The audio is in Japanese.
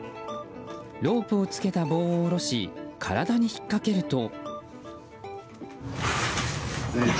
ロープを付けた棒を下ろし体に引っ掛けると。